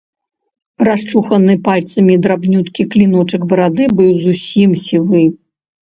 Расчуханы пальцамі драбнюткі кліночак барады быў зусім сівы.